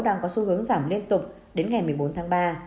đang có xu hướng giảm liên tục đến ngày một mươi bốn tháng ba